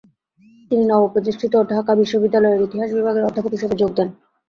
তিনি নবপ্রতিষ্ঠিত ঢাকা বিশ্ববিদ্যালয়ের ইতিহাস বিভাগে অধ্যাপক হিসেবে যোগ দেন।